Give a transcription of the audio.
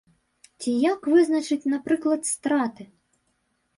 Ці як вызначыць, напрыклад, страты?